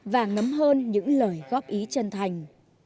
và ngắm hơn những lời góp ý chân thành